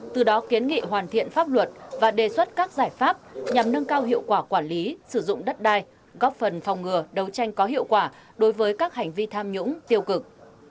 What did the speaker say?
từ đó kiến nghị hoàn thiện pháp luật và đề xuất các giải pháp nhằm nâng cao hiệu quả quản lý sử dụng đất đai góp phần phòng ngừa đấu tranh có hiệu quả đối với các hành vi tham nhũng tiêu cực